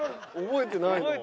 覚えてないな。